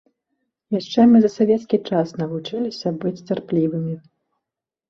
Яшчэ мы за савецкі час навучыліся быць цярплівымі.